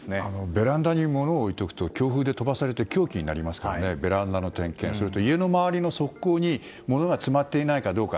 ベランダに物を置いておくと飛ばされて凶器になるのでそれと家の周りの側溝に物が詰まっていないかどうか。